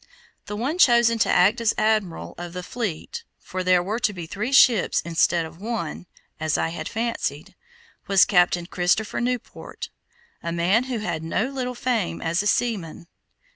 The one chosen to act as admiral of the fleet, for there were to be three ships instead of one, as I had fancied, was Captain Christopher Newport, a man who had no little fame as a seaman.